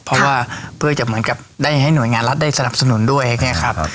เพราะว่าเพื่อจะเหมือนกับได้ให้หน่วยงานรัฐได้สนับสนุนด้วยอย่างนี้ครับ